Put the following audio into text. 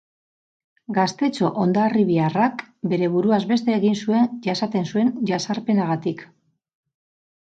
Gaztetxo hondarribiarrak bere buruaz beste egin zuen jasaten zuen jazarpenagatik.